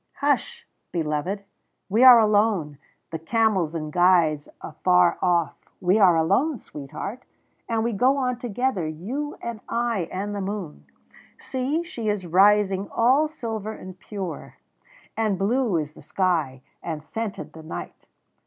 hush! beloved! we are alone, the camels and guides afar off we are alone, sweetheart, and we go on together, you and I and the moon. See, she is rising all silver and pure, and blue is the sky, and scented the night.